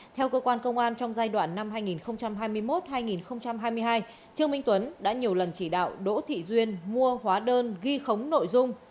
theo cơ quan công an trong giai đoạn năm hai nghìn hai mươi một hai nghìn hai mươi hai trương minh tuấn đã nhiều lần chỉ đạo đỗ thị duyên mua hóa đơn ghi khống nội dung